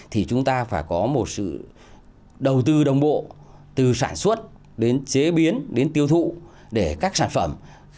thì chúng ta phải có một sự đầu tư đồng bộ từ sản xuất đến chế biến đến tiêu thụ để các sản phẩm